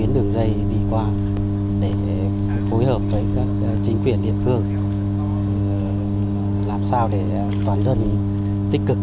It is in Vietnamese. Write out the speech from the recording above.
đường dây đi qua để phối hợp với các chính quyền địa phương làm sao để toàn dân tích cực